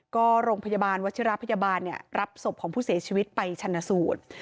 ก็โรงพยาบาลวัชิระพยาบาลรับศพของผู้เสียชีวิตไปชันสูตร